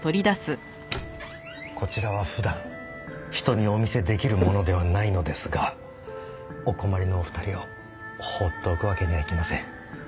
こちらは普段人にお見せできるものではないのですがお困りのお二人を放っておくわけにはいきません。